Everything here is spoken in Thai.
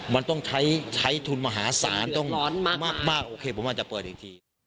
มันต้องใช้ทุนมหาศาลต้องร้อนมากโอเคผมอาจจะเปิดอีกที